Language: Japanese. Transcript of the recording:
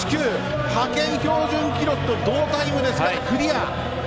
派遣標準記録と同タイムですからクリア！